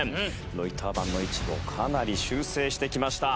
ロイター板の位置をかなり修正してきました。